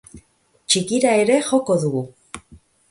Txikira ere joko dugu.